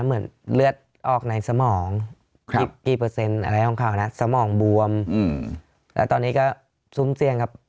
เหมือนเลือดออกในสมองกี่เปอร์เซ็นต์อะไรของเขานะสมองบวมแล้วตอนนี้ก็ซุ่มเสี่ยงครับ